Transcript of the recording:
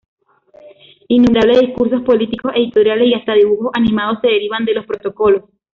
Innumerables discursos políticos, editoriales y hasta dibujos animados se derivan de los Protocolos.